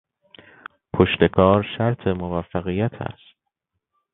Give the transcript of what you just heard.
پشتکار شرط موفقیت است.